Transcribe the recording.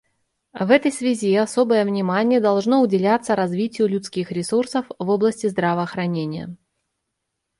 В этой связи особое внимание должно уделяться развитию людских ресурсов в области здравоохранения.